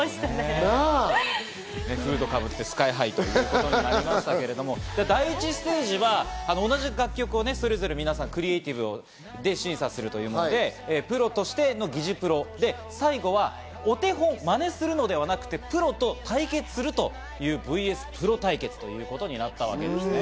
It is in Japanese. フードかぶって、ＳＫＹ−ＨＩということになりましたけど、第１ステージは同じ楽曲をそれぞれ皆さんクリエイティブで審査するということでプロとしての擬似プロで、最後はお手本、まねするのではなくてプロと対決するというＶＳプロ対決ということになったわけですね。